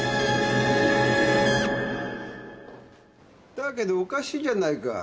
だけどおかしいじゃないか。